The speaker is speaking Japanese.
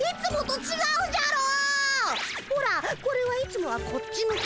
ほらこれはいつもはこっち向き。